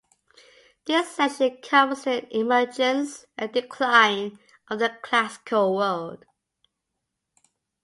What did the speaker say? This section covers the emergence and decline of the Classical world.